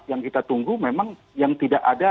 yang kita tunggu memang yang tidak terlalu lama